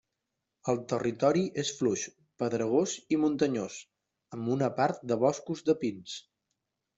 El territori és fluix, pedregós i muntanyós, amb una part de boscos de pins.